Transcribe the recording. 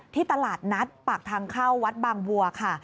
ที่ตลาดนัดปากทางเข้าวัดบางวัวค่ะ